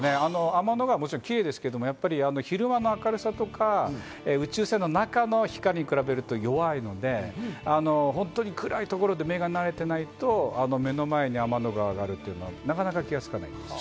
天の川、キレイですけど、昼間の明るさとか、宇宙船の中の光に比べると弱いので、本当に暗いところで目が慣れていないと、目の前に天の川があるというのはなかなか気づかないです。